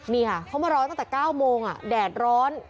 นี่ค่ะเขามารอตั้งแต่๙โมงแดดร้อน